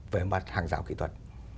về mặt hàng rào kỹ thuật